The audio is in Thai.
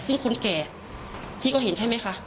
ซึ่งคนแก่ที่เขาเห็นใช่ไหมคะ